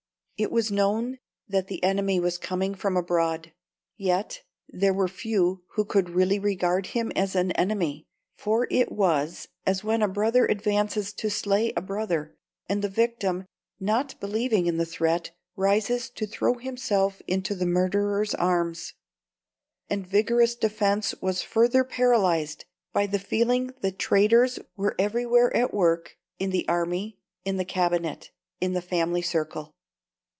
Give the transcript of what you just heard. It was known that the enemy was coming from abroad; yet there were few who could really regard him as an enemy, for it was as when a brother advances to slay a brother, and the victim, not believing in the threat, rises to throw himself into the murderer's arms. And vigorous defence was further paralysed by the feeling that traitors were everywhere at work in the army, in the Cabinet, in the family circle.